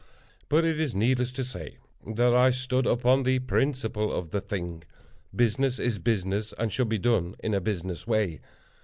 But it is needless to say that I stood upon the principle of the thing. Business is business, and should be done in a business way.